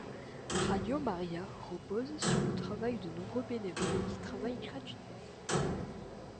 Radio Maria repose sur le travail de nombreux bénévoles qui travaillent gratuitement.